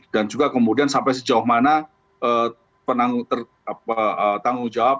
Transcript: dan juga kemudian sampai sejauh mana penanggung jawab